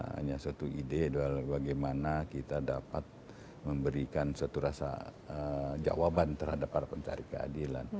hanya suatu ide bagaimana kita dapat memberikan suatu rasa jawaban terhadap para pencari keadilan